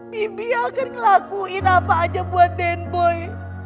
mimpi akan ngelakuin apa aja buat den boy